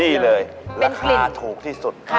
นี่เลยราคาถูกที่สุด